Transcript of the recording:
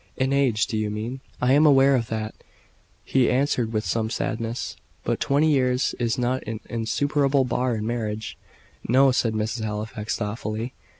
"In age, do you mean? I am aware of that," he answered, with some sadness. "But twenty years is not an insuperable bar in marriage." "No," said Mrs. Halifax, thoughtfully.